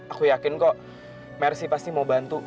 aku yakin kok mercy pasti mau bantu